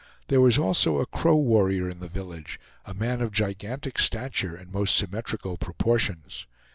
There was also a Crow warrior in the village, a man of gigantic stature and most symmetrical proportions.